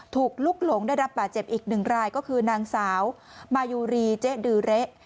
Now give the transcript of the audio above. ถูกลุกหลงได้รับบาดเจ็บอีกหนึ่งรายก็คือนางสาวมายูรีเจ๊ดือเละ